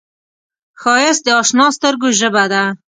ښایست د اشنا سترګو ژبه ده